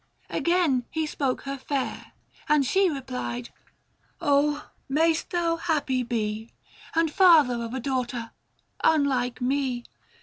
Again he spoke her fair, And she replied, " may'st thou happy be, And father of a daughter — unlike me